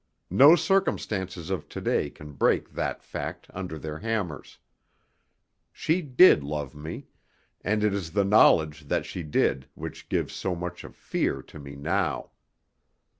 No circumstances of to day can break that fact under their hammers. She did love me, and it is the knowledge that she did which gives so much of fear to me now.